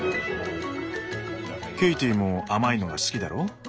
ケイティも甘いのが好きだろう？